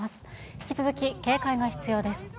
引き続き警戒が必要です。